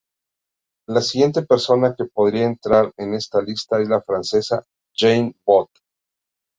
La siguiente persona que podría entrar en esta lista es la francesa Jeanne Bot.